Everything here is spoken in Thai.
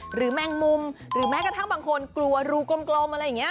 แมงมุมหรือแม้กระทั่งบางคนกลัวรูกลมอะไรอย่างนี้